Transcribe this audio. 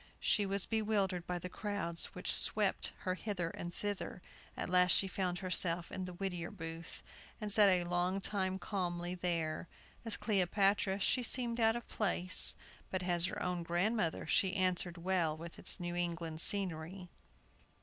She was bewildered by the crowds which swept her hither and thither. At last she found herself in the Whittier Booth, and sat a long time calmly there. As Cleopatra she seemed out of place, but as her own grandmother she answered well with its New England scenery.